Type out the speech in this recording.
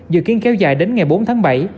dự kiến kéo dài đến ngày bốn tháng bảy